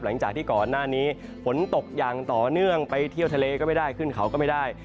หลังจากที่ก่อนหน้านี้ฝนตกอย่างต่อเนื่องไปเที่ยวทะเลก็ไม่ได้ขึ้นเขาก็ไม่ได้